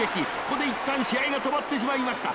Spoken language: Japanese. ここで一旦試合が止まってしまいました。